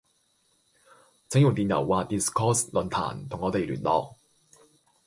請用電郵或 Discourse 論壇同我地聯絡